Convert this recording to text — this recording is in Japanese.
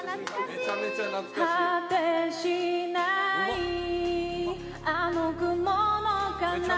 めちゃめちゃうまいな。